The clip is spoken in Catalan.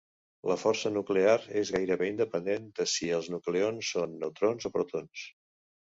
La força nuclear és gairebé independent de si els nucleons són neutrons o protons.